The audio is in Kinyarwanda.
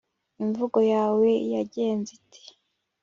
imvugo yawe yagenze ite